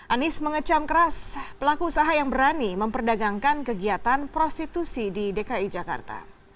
anies mengecam keras pelaku usaha yang berani memperdagangkan kegiatan prostitusi di dki jakarta